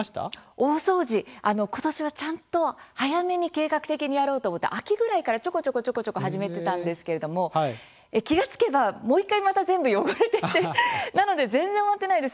大掃除、今年はちゃんと早めに計画的にやろうと思って秋ぐらいからちょこちょこちょこちょこ始めてたんですけれども気が付けばもう１回また全部汚れててなので全然終わってないです。